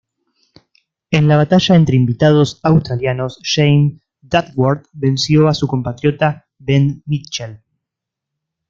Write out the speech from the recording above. En la batalla entre Invitados Australianos James Duckworth venció a su compatriota Ben Mitchell.